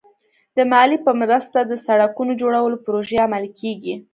د مالیې په مرسته د سړکونو جوړولو پروژې عملي کېږي.